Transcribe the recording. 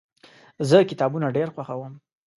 زه کتابونه ډیر خوښوم.